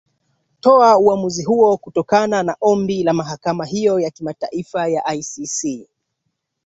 toa uamuzi huo kutokana na ombi la mahakama hiyo ya kimataifa ya icc